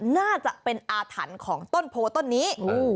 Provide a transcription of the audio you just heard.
น่าจะเป็นอาถรรพ์ของต้นโพต้นนี้